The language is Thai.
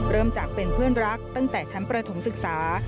เริ่มจากเป็นเพื่อนรักตั้งแต่ชั้นประถมศึกษา